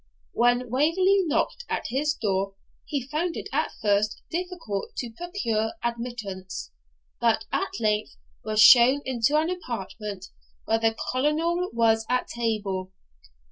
When Waverley knocked at his door he found it at first difficult to procure admittance, but at length was shown into an apartment where the Colonel was at table.